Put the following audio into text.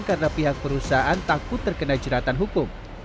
karena pihak perusahaan takut terkena jeratan hukum